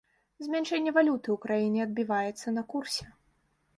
Змяншэнне валюты ў краіне адбіваецца на курсе.